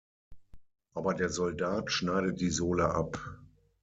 Aber der Soldat schneidet die Sohle ab.